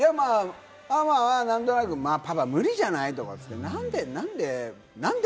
ママは何となく、パパ無理じゃない？とか、なんで？